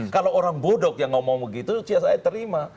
kalau orang bodoh yang ngomong begitu saya terima